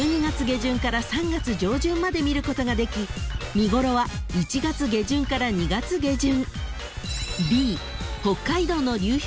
［見頃は１月下旬から２月下旬］